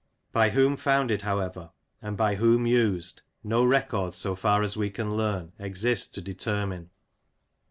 By whom founded, however, and by whom used, no records, so far as we can learn, exist to determine.